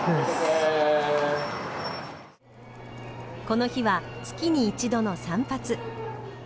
この日は月に一度の散髪。